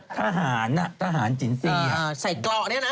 ไปดูตรงไหน